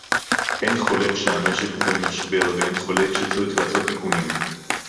אין חולק שהמשק במשבר ואין חולק שצריך לעשות תיקונים